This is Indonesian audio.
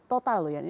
total loh ya